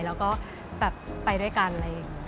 แล้วก็แบบไปด้วยกันอะไรอย่างนี้